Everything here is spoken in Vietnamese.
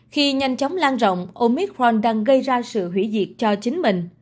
khi nhanh chóng lan rộng omicron đang gây ra sự hủy diệt cho chính mình